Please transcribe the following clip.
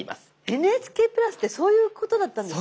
「ＮＨＫプラス」ってそういうことだったんですね。